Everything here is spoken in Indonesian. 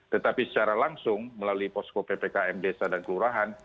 tetapi secara langsung melalui posko ppkm desa dan kelurahan